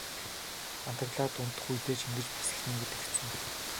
Адаглаад унтах үедээ ч ингэж бясалгана гэдэг хэцүү.